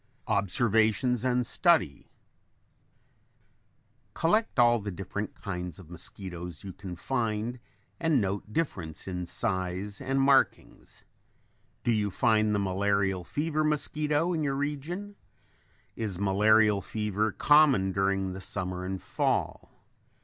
OBSERVATIONS AND STUDY Collect all the different kinds of mosquitoes you can find and note difference in size and markings. Do you find the malarial fever mosquito in your region? Is malarial fever common during the summer and fall?